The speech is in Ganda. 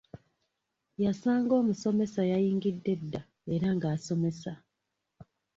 Yasanga omusomesa yayingidde dda era ng’asomesa.